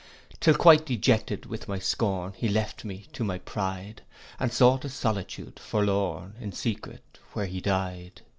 'Till quite dejected with my scorn, He left me to my pride; And sought a solitude forlorn, In secret where he died.